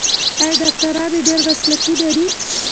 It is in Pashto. آیا ډاکټران یې ډیر مسلکي نه دي؟